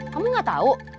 kamu gak tau